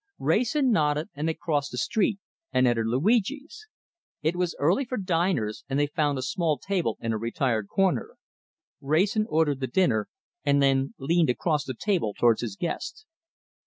Wrayson nodded, and they crossed the street and entered Luigi's. It was early for diners, and they found a small table in a retired corner. Wrayson ordered the dinner, and then leaned across the table towards his guest.